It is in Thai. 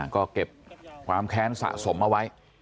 ก็เก็บความแค้นสะสมเอาไว้